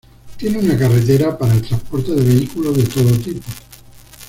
Tiene una carretera para el transporte de vehículos de todo tipo.